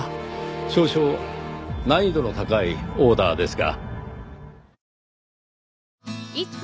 少々難易度の高いオーダーですが。